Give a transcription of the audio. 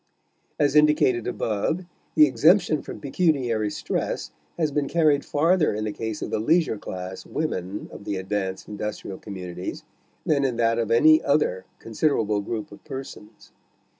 As indicated above, the exemption from pecuniary stress has been carried farther in the case of the leisure class women of the advanced industrial communities than in that of any other considerable group of persons.